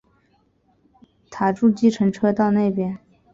搭著计程车到那边